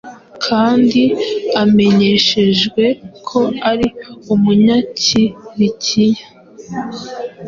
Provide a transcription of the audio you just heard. kandi amenyeshejwe ko ari Umunyakirikiya,